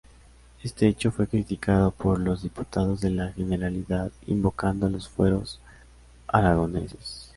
Este hecho fue criticado por los diputados de la Generalidad invocando los fueros aragoneses.